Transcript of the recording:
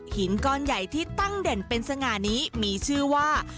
หินก้อนใหญ่ที่ตั้งเด่นเป็นสง่านี้มีชื่อว่า